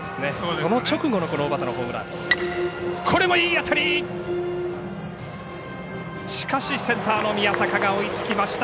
その直後の小畠のホームランでした。